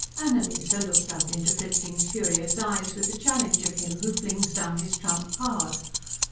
Annalise looked up into Fritzing's furious eyes with the challenge of him who flings down his trump card.